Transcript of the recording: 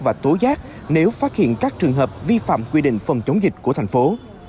và tố giác nếu phát hiện các trường hợp vi phạm quy định phòng chống dịch của thành phố